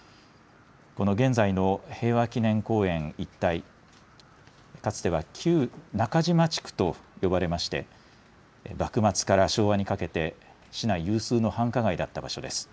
この現在の平和記念公園一帯、かつては旧中島地区と呼ばれまして幕末から昭和にかけて市内有数の繁華街だった場所です。